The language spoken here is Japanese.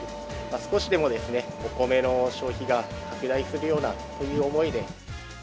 少しでもお米の消費が拡大するようなという思いで。